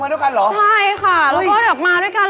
ต้องรีบแต่งงานต้องต้องรีบแต่งงาน